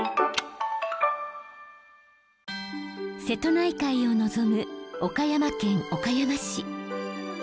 瀬戸内海を望む岡山県岡山市。